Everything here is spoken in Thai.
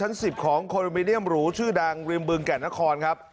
พักบนชั้น๑๐ของโคลโนมิเนียมหรูชื่อดังริมบึงแก่นนครครับ